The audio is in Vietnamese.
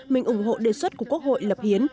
mình ủng hộ đề xuất của quốc hội lập hiến